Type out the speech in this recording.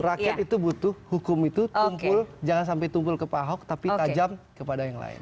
rakyat itu butuh hukum itu tumpul jangan sampai tumpul ke pak ahok tapi tajam kepada yang lain